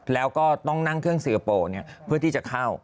แล้วก็ต้องนั่งเครื่องสิงคโปร์เพื่อที่จะเข้า